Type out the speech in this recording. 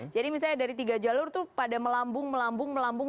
jadi misalnya dari tiga jalur tuh pada melambung melambung melambung